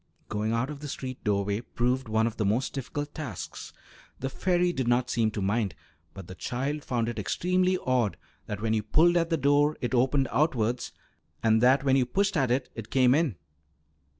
Going out of the street doorway proved one of the most difficult tasks. The fairy did not seem to mind, but the child found it extremely odd that when you pulled at the door it opened outwards, and that when you pushed at it it came in.